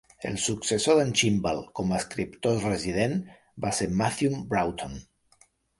El successor de Chibnall com a escriptor resident va ser Matthew Broughton.